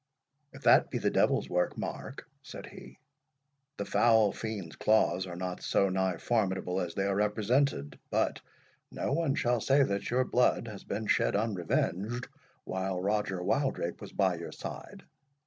"If that be the devil's work, Mark," said he, "the foul fiend's claws are not nigh so formidable as they are represented; but no one shall say that your blood has been shed unrevenged, while Roger Wildrake was by your side.